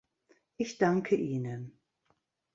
Ich danke ihnen.